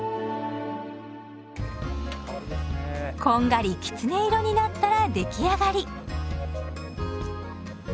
こんがりきつね色になったら出来上がり。